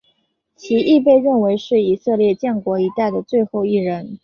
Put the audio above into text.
其亦被认为是以色列建国一代的最后一人。